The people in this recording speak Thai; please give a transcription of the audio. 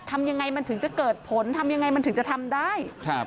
ทำยังไงมันถึงจะเกิดผลทำยังไงมันถึงจะทำได้